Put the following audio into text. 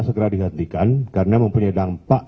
segera dihentikan karena mempunyai dampak